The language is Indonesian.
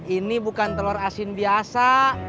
ini bukan telur asin biasa